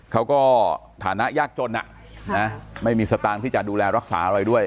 เขาก็ฐานะยากจนไม่มีสตางค์ที่จะดูแลรักษาอะไรด้วย